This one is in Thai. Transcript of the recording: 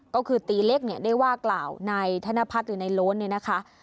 ก็คือตีเล็กเนี่ยได้ว่ากล่าวนายธนพัฒน์หรือนายโล้นเนี่ยนะคะ